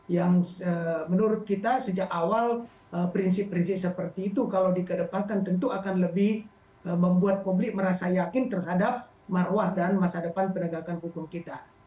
yang menurut kita sejak awal prinsip prinsip seperti itu kalau dikedepankan tentu akan lebih membuat publik merasa yakin terhadap marwah dan masa depan penegakan hukum kita